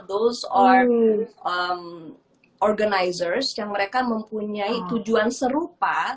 those are organisers yang mereka mempunyai tujuan serupa